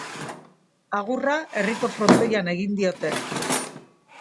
Agurra herriko frontoian egin diote.